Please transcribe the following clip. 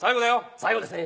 最後ですね。